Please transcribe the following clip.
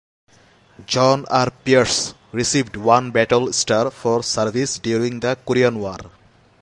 "John R. Pierce" received one battle star for service during the Korean War.